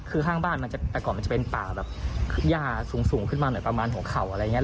คือข้างบ้านมันจะแต่ก่อนมันจะเป็นป่าแบบย่าสูงขึ้นมาหน่อยประมาณหัวเข่าอะไรอย่างนี้